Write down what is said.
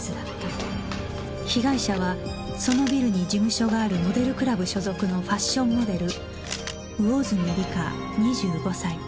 被害者はそのビルに事務所があるモデルクラブ所属のファッションモデル魚住リカ２５歳